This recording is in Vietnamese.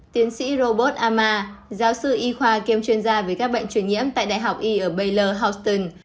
tiến sĩ robert amar giáo sư y khoa kiêm chuyên gia về các bệnh truyền nhiễm tại đại học y ở baylor houston